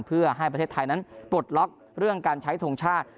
เพื่อให้ประเทศไทยนั้นปลดล็อกเรื่องการใช้ทงชาติ